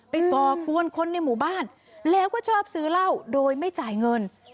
ก่อกวนคนในหมู่บ้านแล้วก็ชอบซื้อเหล้าโดยไม่จ่ายเงิน